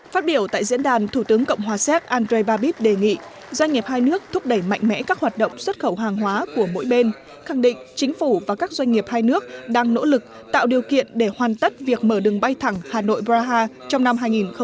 phát biểu tại diễn đàn thủ tướng cộng hòa séc andrei babib đề nghị doanh nghiệp hai nước thúc đẩy mạnh mẽ các hoạt động xuất khẩu hàng hóa của mỗi bên khẳng định chính phủ và các doanh nghiệp hai nước đang nỗ lực tạo điều kiện để hoàn tất việc mở đường bay thẳng hà nội praha trong năm hai nghìn hai mươi